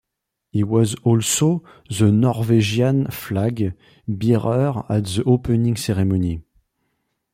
He was also the Norwegian flag bearer at the opening ceremony.